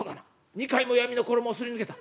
２回も闇の衣をすり抜けた！」。